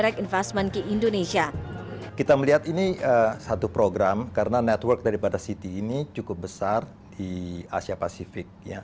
kita melihat ini satu program karena network daripada city ini cukup besar di asia pasifik